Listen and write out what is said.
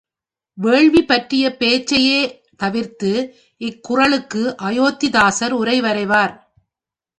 வேள்வி பற்றிய பேச்சையே தவிர்த்து இக்குறளுக்கு அயோத்திதாசர் உரைவரைவார்.